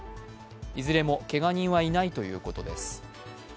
いずれも、けが人はいないということです。